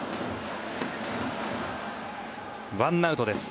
１アウトです。